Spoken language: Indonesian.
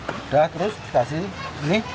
udah terus dikasih ini